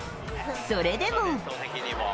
それでも。